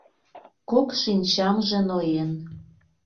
Кок шинчамже ноен.